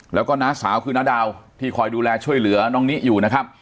แล้วก็น้าสาวคือน้าดาวที่คอยดูแลช่วยเหลือน้องนิอยู่นะครับ